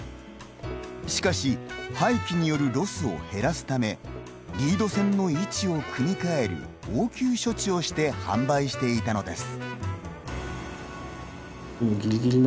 しかし、廃棄によるロスを減らすため、リード線の位置を組み替える応急処置をして販売していたのです。